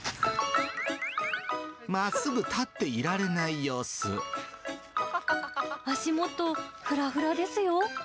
まっすぐ立っていられない様足元、ふらふらですよ。